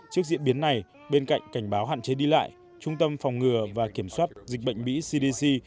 trước diễn biến này bên cạnh cảnh báo hạn chế đi lại trung tâm phòng ngừa và kiểm soát dịch bệnh mỹ cdc